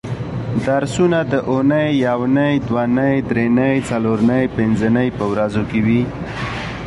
درسونه د اونۍ یونۍ دونۍ درېنۍ څلورنۍ پبنځنۍ په ورځو کې وي